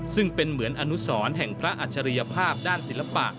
ซึ่งเป็นเหมือนอนุสรแห่งพระอัจฉริยภาพด้านศิลปะ